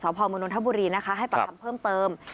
ชาวหมอมภองมุนวนธบุรีนะคะให้ปรับทำเพิ่มเติม